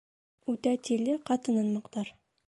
Үтә тиле ҡатынын маҡтар.